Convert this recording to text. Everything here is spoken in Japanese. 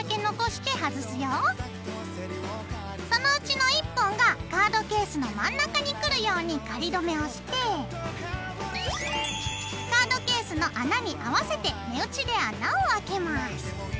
そのうちの１本がカードケースの真ん中にくるように仮止めをしてカードケースの穴に合わせて目打ちで穴をあけます。